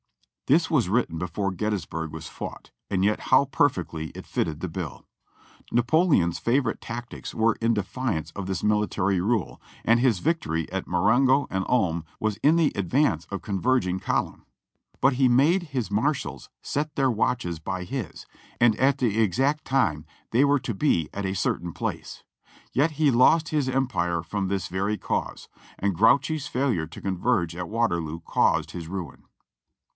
This was written before Gettysburg was fought, and yet how perfectly it fitted the bill. Napoleon's favorite tactics were in defiance of this military rule, and his victory at Marengo and Ulm was in the advance of converging column ; but he made his marshals set their watches by his, and at the exact time they were to be at a certain place. Yet he lost his empire from this very cause; and Grouchy's fail ure to converge at Waterloo caused his ruin.